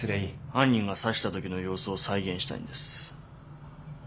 犯人が刺したときの様子を再現したいんです。